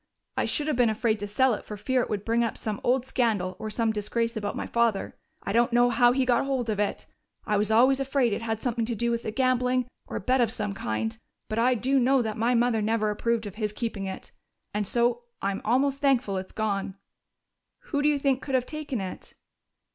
I should have been afraid to sell it for fear it would bring up some old scandal or some disgrace about my father. I don't know how he got hold of it I was always afraid it had something to do with gambling or a bet of some kind but I do know that my mother never approved of his keeping it. And so I'm almost thankful it's gone." "Who do you think could have taken it?"